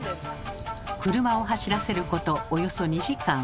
車を走らせることおよそ２時間。